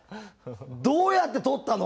どうやって撮ったの？